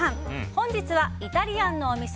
本日はイタリアンのお店